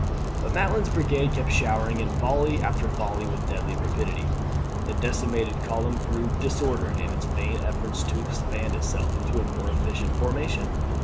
But Maitland's brigade kept showering in volley after volley with deadly rapidity. The decimated column grew disordered in its vain efforts to expand itself into a more efficient formation.